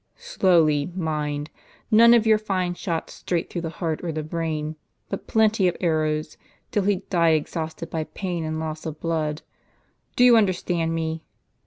Slowly, mind; none of your fine shots straight through the heart or the brain, but plenty of arrows, till he die exhausted by pain and loss of blood. Do you understand me